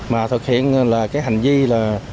mà thực hiện là cái hành vi là